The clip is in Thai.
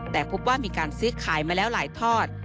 แต่พบว่ามีการซื้อขายมาแล้วหลายทอด